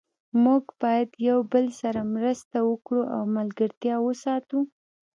موږ باید یو بل سره مرسته وکړو او ملګرتیا وساتو